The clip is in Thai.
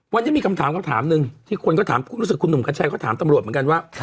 วันนี้มีคำถามคำถามหนึ่งที่คนก็ถามรู้สึกคุณหนุ่มกัญชัยเขาถามตำรวจเหมือนกันว่า